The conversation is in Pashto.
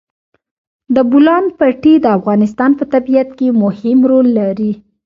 د بولان پټي د افغانستان په طبیعت کې مهم رول لري.